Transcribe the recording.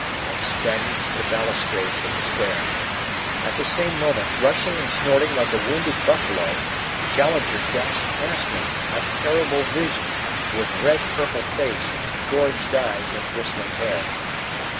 I staggered to the balustrades of the stair. At the same moment, rushing and snorting like a wounded buffalo, Challenger dashed past me, a terrible vision, with red purple face, engorged eyes, and bristling hair.